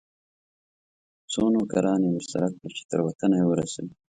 څو نوکران یې ورسره کړه چې تر وطنه یې ورسوي.